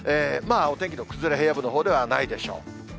まあ、お天気の崩れ、平野部のほうではないでしょう。